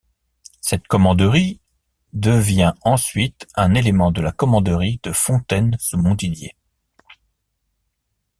Cette commanderie devient ensuite un élément de la commanderie de Fontaine-sous-Montdidier.